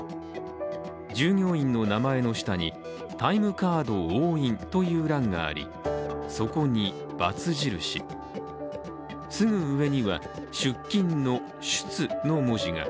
従業員の名前の下にタイムカード押印という欄があり、そこに×印すぐ上には、出勤の「出」の文字が。